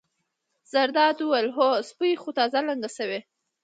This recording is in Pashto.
زرداد وویل: هو سپۍ خو تازه لنګه شوې.